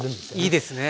いいですね。